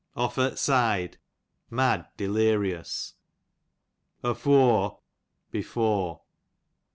Off at side, mad, delirious. Ofore, before.